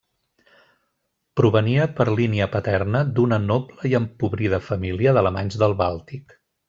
Provenia per línia paterna d'una noble i empobrida família d'alemanys del Bàltic.